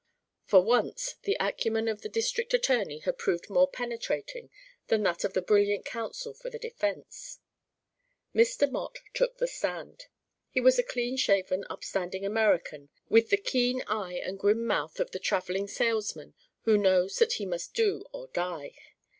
For once the acumen of the district attorney had proved more penetrating than that of the brilliant counsel for the defence. Mr. Mott took the stand. He was a clean shaven upstanding American with the keen eye and grim mouth of the travelling salesman who knows that he must do or die.